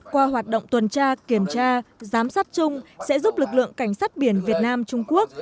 qua hoạt động tuần tra kiểm tra giám sát chung sẽ giúp lực lượng cảnh sát biển việt nam trung quốc